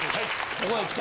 ここへきて。